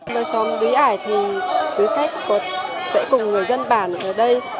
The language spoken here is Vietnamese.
nơi xóm bí ải thì quý khách sẽ cùng người dân bản ở đây